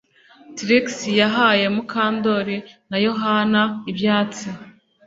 Trix yahaye Mukandoli na Yohana ibyatsi